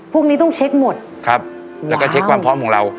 พวกนี้ต้องเช็คหมดครับแล้วก็เช็คความพร้อมของเรา